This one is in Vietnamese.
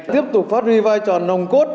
tiếp tục phát ri vai tròn nồng cốt